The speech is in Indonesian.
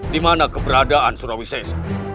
dimana keberadaan surawi sesar